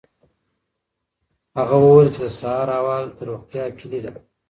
هغه وویل چې د سهار هوا د روغتیا کلي ده.